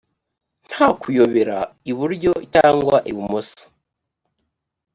nta kuyobera iburyo cyangwa ibumoso.